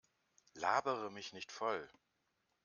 Labere mich nicht voll!